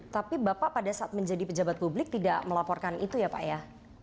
tapi bapak pada saat menjadi pejabat publik tidak melaporkan itu ya pak ya